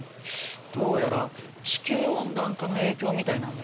どうやら地球温暖化の影響みたいなんだ。